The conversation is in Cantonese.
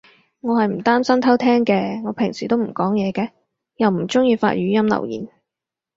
我係唔擔心偷聼嘅，我平時都唔講嘢嘅。又唔中意發語音留言